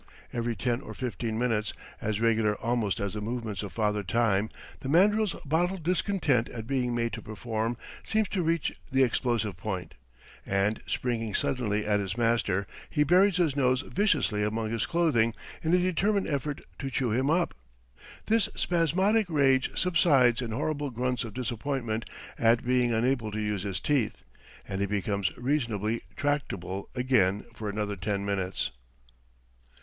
Every ten or fifteen minutes, as regular almost as the movements of Father Time, the mandril's bottled discontent at being made to perform seems to reach the explosive point, and springing suddenly at his master, he buries his nose viciously among his clothing in a. determined effort to chew him up. This spasmodic rage subsides in horrible grunts of disappointment at being unable to use his teeth, and he becomes reasonably tractable again for another ten minutes.